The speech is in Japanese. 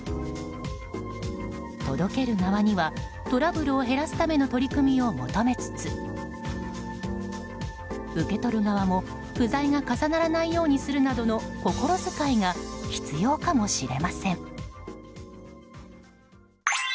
届ける側には、トラブルを減らすための取り組みを求めつつ受け取る側も、不在が重ならないようにするなどの心遣いが必要かもしれません。